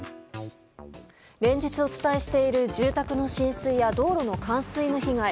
連日、お伝えしている住宅の浸水や道路の冠水の被害。